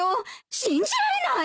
信じられない！